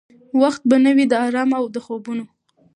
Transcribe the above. وخت به نه وي د آرام او د خوبونو؟